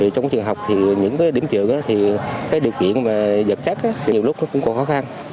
trong trường học những điểm trường điều kiện vật chất nhiều lúc cũng còn khó khăn